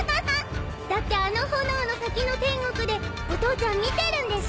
だってあの炎の先の天国でお父ちゃん見てるんでしょ？